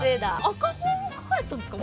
赤本を描かれてたんですか？